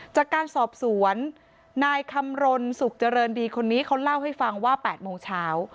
จากการสอบสวนนายคำรณสุขเจริญดีคนนี้เขาเล่าให้ฟังว่า๘โมงเช้า